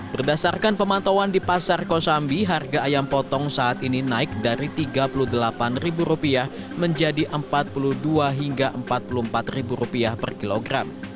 berdasarkan pemantauan di pasar kosambi harga ayam potong saat ini naik dari tiga puluh delapan ribu rupiah menjadi empat puluh dua hingga empat puluh empat ribu rupiah per kilogram